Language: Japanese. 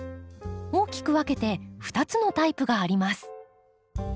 大きく分けて２つのタイプがあります。